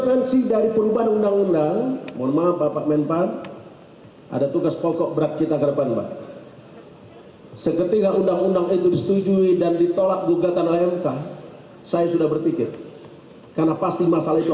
karena pasti masalah itu saya harus hadapi